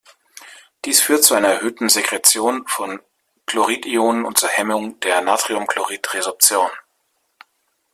Dies führt zu einer erhöhten Sekretion von Chlorid-Ionen und zur Hemmung der Natriumchlorid-Resorption.